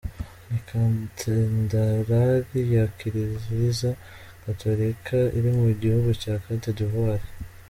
Ni catedarali ya kiriliza gatorika iri mu gihugu cya Cote d’ ivoire.